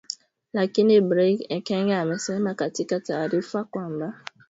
Lakini Brig Ekenge amesema katika taarifa kwamba